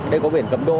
đây có biển cấm đỗ